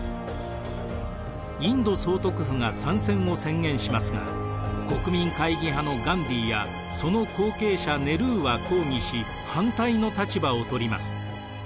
インド総督府が参戦を宣言しますが国民会議派のガンディーやその後継者ネルーは抗議し反対の立場をとります。